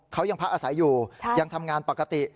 เขายังพักอาศัยอยู่ยังทำงานปกติ